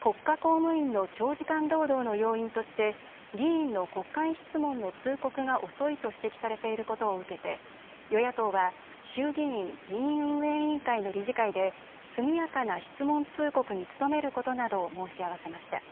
国家公務員の長時間労働の要因として議員の国会質問の通告が遅いと指摘されていることを受けて与野党は衆議院議院運営委員会の理事会で速やかな質問通告に努めることなどを申し合わせました。